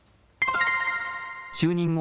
就任後